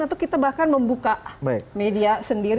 atau kita bahkan membuka media sendiri